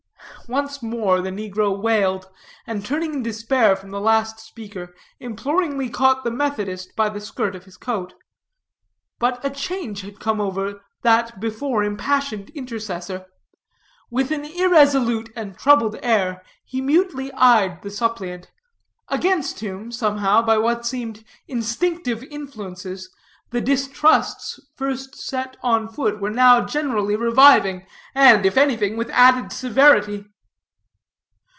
Once more the negro wailed, and turning in despair from the last speaker, imploringly caught the Methodist by the skirt of his coat. But a change had come over that before impassioned intercessor. With an irresolute and troubled air, he mutely eyed the suppliant; against whom, somehow, by what seemed instinctive influences, the distrusts first set on foot were now generally reviving, and, if anything, with added severity.